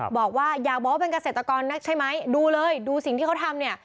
บอกว่าอยากบอกว่าเป็นเกษตรกรนักใช่ไหมดูเลยดูสิ่งที่เขาทำเนี่ย